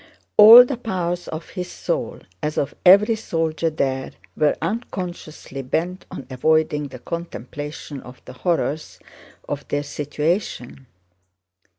All the powers of his soul, as of every soldier there, were unconsciously bent on avoiding the contemplation of the horrors of their situation.